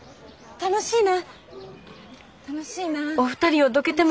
楽しいな。